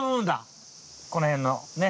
この辺のねっ？